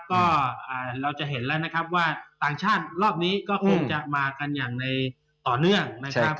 ก็เราจะเห็นแล้วนะครับว่าต่างชาติรอบนี้ก็คงจะมากันอย่างในต่อเนื่องนะครับ